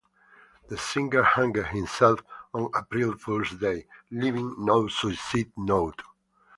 The singer hanged himself on April Fool's Day, leaving no suicide note.